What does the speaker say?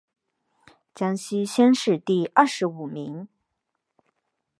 江西乡试第二十五名。